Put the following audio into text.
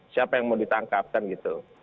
siapa yang mau ditangkapkan gitu